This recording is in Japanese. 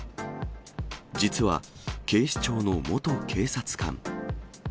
実は警視庁の元警察官。